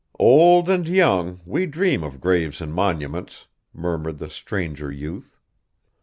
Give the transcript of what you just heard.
'Old and young, we dream of graves and monuments,' murmured the stranger youth.